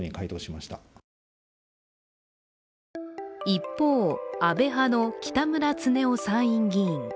一方、安倍派の北村経夫参院議員。